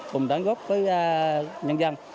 cùng đáng góp với nhân dân